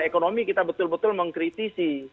ekonomi kita betul betul mengkritisi